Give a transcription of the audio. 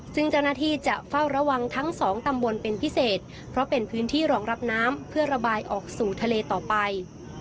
ซึ่งเจ้าหน้าที่จะเฝ้าระวังทั้งสองตำบลเป็นพิเศษเพราะเป็นพื้นที่รองรับน้ำเพื่อระบายออกสู่ทะเลต่อไป